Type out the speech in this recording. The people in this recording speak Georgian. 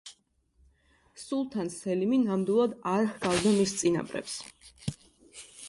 სულთან სელიმი ნამდვილად არ ჰგავდა მის წინაპრებს.